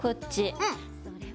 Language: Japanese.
うん。